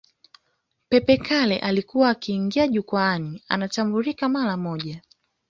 Pepe Kalle alikuwa akiingia jukwani anatambulika mara moja